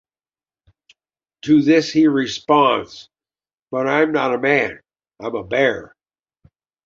To this he responds, "But I'm not a man, I'm a bear".